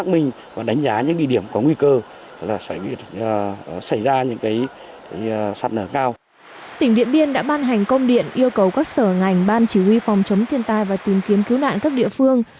tỉnh điện biên đã ban hành công điện yêu cầu các sở ngành ban chỉ huy phòng chống thiên tai và tìm kiếm cứu nạn các địa phương